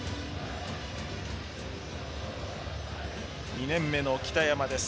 ２年目の北山です。